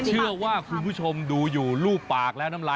เชื่อว่าคุณผู้ชมดูอยู่รูปปากและน้ำลาย